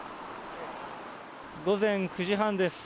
午前９時半です。